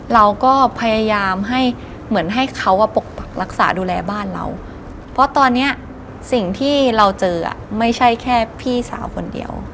เราก็พยายามให้เหมือนให้เขาปกปักรักษาดูแลบ้านเราเพราะตอนนี้สิ่งที่เราเจอไม่ใช่แค่พี่สาวคนเดียว